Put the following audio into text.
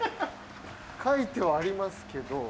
書いてはありますけど。